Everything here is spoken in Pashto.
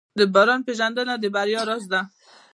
د بازار پېژندنه د بریا راز دی.